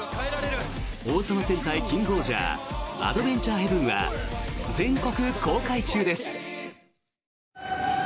「王様戦隊キングオージャーアドベンチャー・ヘブン」は全国公開中です。